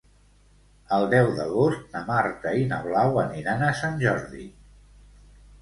El deu d'agost na Marta i na Blau aniran a Sant Jordi.